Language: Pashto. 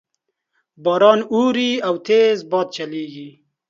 باران اوري او تیز باد چلیږي